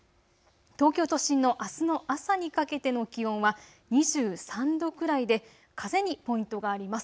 東京都心のあすの朝にかけての気温は２３度くらいで風にポイントがあります。